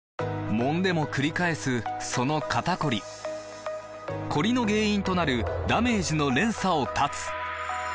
もんでもくり返すその肩こりコリの原因となるダメージの連鎖を断つ！